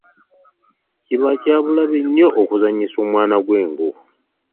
Kiba kya bulabe nnyo okuzanyisa omwana gw'Engo.